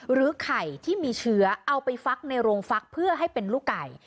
หรือไข่ที่มีเชื้อเอาไปฟักในโรงฟักเพื่อให้เป็นลูกไก่